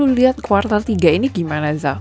lu lihat quarter tiga ini gimana zal